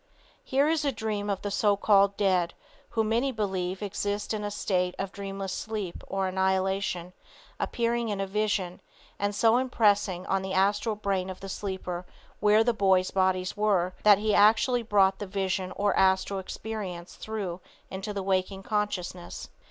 Here is a dream of the so called dead who, many believe, exist in a state of dreamless sleep or annihilation, appearing in a vision, and so impressing on the astral brain of the sleeper where the boy's bodies were, that he actually brought the vision or astral experience through into the waking consciousness.